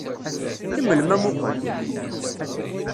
Kemmlem amuqqel!